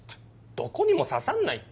どこにも刺さんないって。